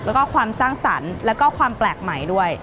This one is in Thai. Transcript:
แล้วก็ความสร้างสรรค์แล้วก็ความแปลกใหม่ด้วย